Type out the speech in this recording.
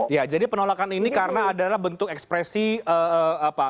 ya jadi penolakan ini karena adalah bentuk ekspresi apa